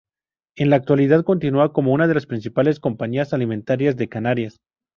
En la actualidad continúa como una de las principales compañías alimentarias de Canarias.